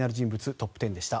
トップ１０でした。